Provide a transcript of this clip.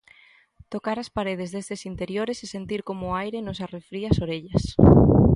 Tocar as paredes destes interiores e sentir como o aire nos arrefría as orellas.